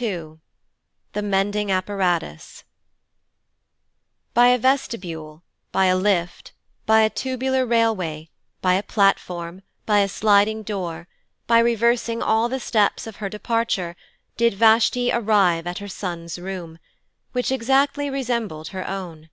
II THE MENDING APPARATUS By a vestibule, by a lift, by a tubular railway, by a platform, by a sliding door by reversing all the steps of her departure did Vashti arrive at her son's room, which exactly resembled her own.